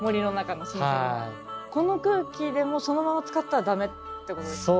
この空気でもそのまま使ったらダメってことですか？